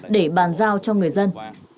để bàn giao cho người dân